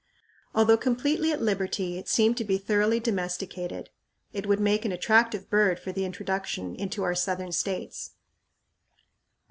Although completely at liberty, it seemed to be thoroughly domesticated. It would make an attractive bird for introduction into our Southern States.